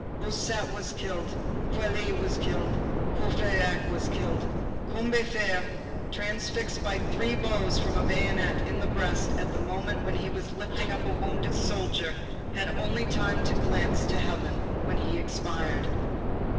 Bossuet was killed; Feuilly was killed; Courfeyrac was killed; Combeferre, transfixed by three blows from a bayonet in the breast at the moment when he was lifting up a wounded soldier, had only time to cast a glance to heaven when he expired.